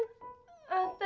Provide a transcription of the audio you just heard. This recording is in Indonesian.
aduh ini tan